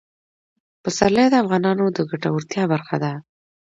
پسرلی د افغانانو د ګټورتیا برخه ده.